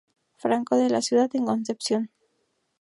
Franco de la ciudad de Concepción.